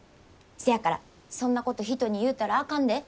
せやからそんなこと人に言うたらあかんで。